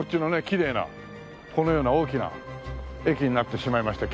きれいなこのような大きな駅になってしまいました。